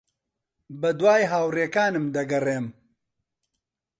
بەدوای ھاوڕێکانم دەگەڕێم.